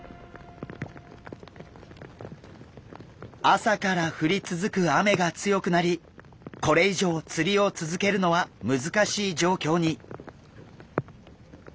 朝から降り続く雨が強くなりこれ以上釣りを続けるのは難しい状況に。